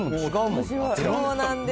そうなんですよ。